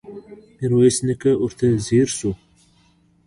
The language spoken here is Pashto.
ميرويس نيکه ورته ځير شو.